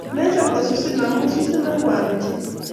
Mecham kosusin amu susin nengwan ochei